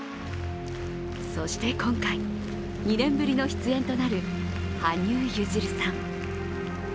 そして今回、２年ぶりの出演となる羽生結弦さん。